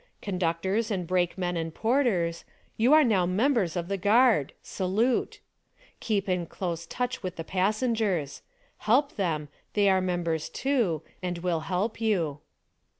Conductors and brakemen and porters : You are now members of the guard ; salute ! Keep in close touch with the passengers ; help them — they are mem bers, too ; and will help you.